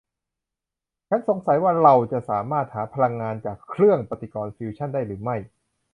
ฉันสงสัยว่าเราจะสามารถหาพลังงานจากเครื่องปฏิกรณ์ฟิวชั่นได้หรือไม่